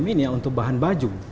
dijadikan kemeja dan lain sebagainya